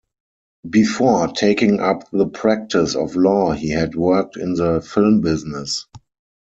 Before taking up the practice of law he had worked in the film business.